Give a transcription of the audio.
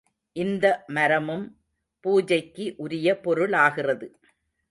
இந்த மரமும் பூஜைக்கு உரிய பொருளாகிறது.